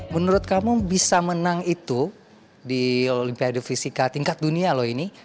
menurut kamu bisa menang itu di olimpiade fisika tingkat dunia loh ini